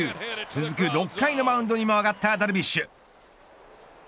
続く６回のマウンドにも上がったダルビッシュ。